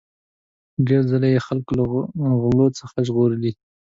ډیر ځله یې خلک له غلو څخه ژغورلي.